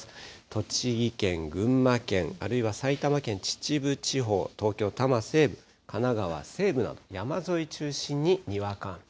栃木県、群馬県、あるいは埼玉県秩父地方、東京・多摩西部、神奈川西部など、山沿い中心ににわか雨。